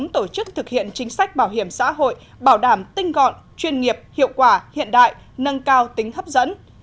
tổ chức thực hiện chính sách bảo hiểm xã hội bảo đảm tinh gọn chuyên nghiệp hiệu quả hiện đại nâng cao tính hấp dẫn